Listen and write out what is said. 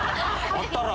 あったら！